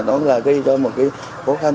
nó gây cho một cái khó khăn